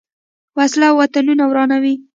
وسله وطنونه ورانوي